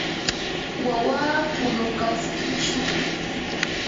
wawaa punukaskishnam.